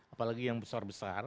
apalagi yang besar besar